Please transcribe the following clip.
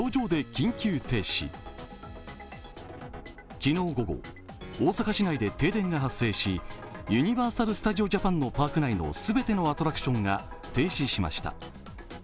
昨日午後、大阪市内で停電が発生しユニバーサル・スタジオ・ジャパンのパーク内の全てのアトラクションが停止しました。